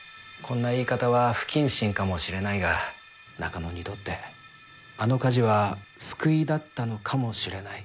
こんな言い方は不謹慎かもしれないが中野にとってあの火事は救いだったのかもしれない。